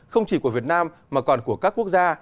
không chỉ của việt nam mà còn của các quốc gia